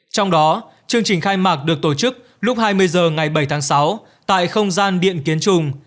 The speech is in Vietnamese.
trong đó chương trình khai mạc được tổ chức lúc hai mươi h ngày bảy tháng sáu tại không gian điện kiến trùng